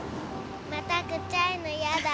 またくちゃいのやだ。